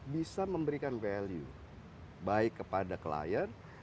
bisa memberikan value baik kepada klien